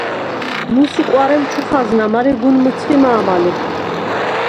მუს ი კუ̂არემ ჩუ ხაზნა, მარე გუნ მჷცხი მა̄მა ლი.